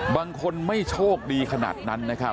บางคนไม่โชคดีขนาดนั้นนะครับ